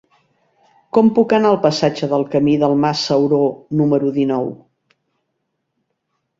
Com puc anar al passatge del Camí del Mas Sauró número dinou?